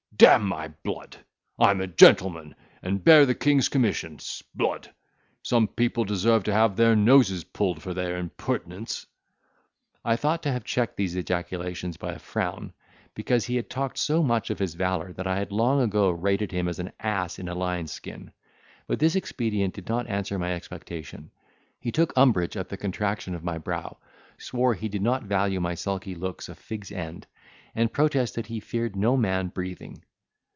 D—n my blood! I'm a gentleman, and bear the king's commission. 'Sblood! some people deserve to have their noses pulled for their impertinence." I thought to have checked these ejaculations by a frown; because he had talked so much of his valour that I had long ago rated him as an ass in a lion's skin; but this expedient did not answer my expectation, he took umbrage at the contraction of my brow, swore he did not value my sulky looks a fig's end, and protested he feared no man breathing.